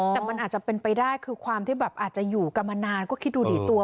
แต่มันอาจจะเป็นไปได้คือความที่แบบอาจจะอยู่กันมานานก็คิดดูดิตัว